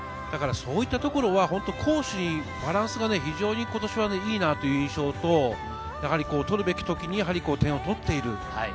そういったところは攻守のバランスが非常に今年はいいなという印象と、取るべきときに点を取っている。